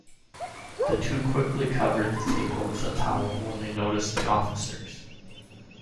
The two quickly covered the table with a towel when they noticed the officers.